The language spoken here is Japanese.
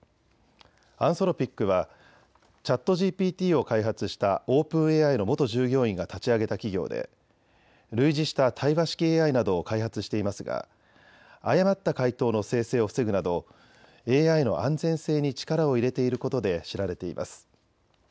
アンソロピックはＣｈａｔＧＰＴを開発したオープンＡＩの元従業員が立ち上げた企業で類似した対話式ＡＩなどを開発していますが誤った回答の生成を防ぐなどＡＩの安全性に力を入れていることで知られています。